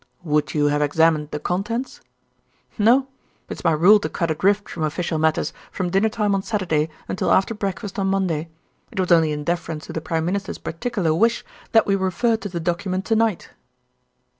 "Would you have examined the contents?" "No. It is my rule to cut adrift from official matters from dinner time on Saturday until after breakfast on Monday. It was only in deference to the Prime Minister's particular wish that we referred to the document to night."